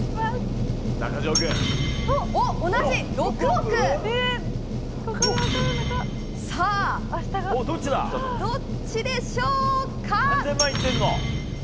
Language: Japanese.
同じ、６億！さあ、どっちでしょうか。